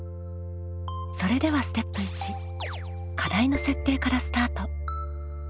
それではステップ１課題の設定からスタート。